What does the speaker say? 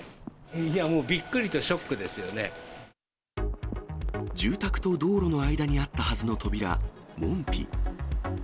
いや、もう、びっくりとショック住宅と道路の間にあったはずの扉、門扉。